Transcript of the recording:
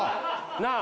なあ。